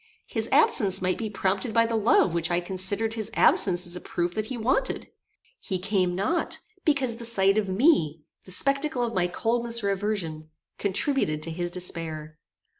His absence might be prompted by the love which I considered his absence as a proof that he wanted. He came not because the sight of me, the spectacle of my coldness or aversion, contributed to his despair.